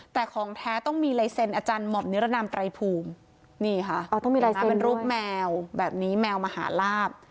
แต่ของแท้ต้องมีไลเซนอาจารย์หมดเนื้อระดับไตรภูมินี่ค่ะอ๋อต้องมีไลเซนด้วยรูปแมวแบบนี้แมวมหาลาภ